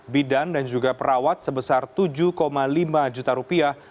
bidan dan juga perawat sebesar tujuh lima juta rupiah